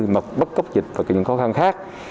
mặc bất cấp dịch và những khó khăn khác